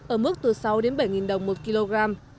ở mức từ sáu bảy đồng một kg